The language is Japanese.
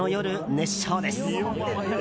熱唱です。